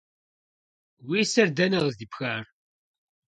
Уи сэр дэнэ къыздипхар?